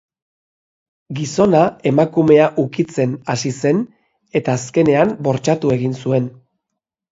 Gizona emakumea ukitzen hasi zen eta azkenean bortxatu egin zuen.